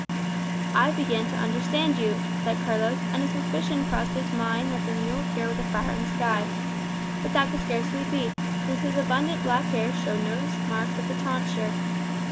"I begin to understand you," said Carlos; and a suspicion crossed his mind that the muleteer was a friar in disguise. But that could scarcely be, since his black abundant hair showed no marks of the tonsure.